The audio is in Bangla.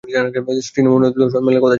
স্ত্রী নমুনার দর্শন মেলে কদাচিৎ।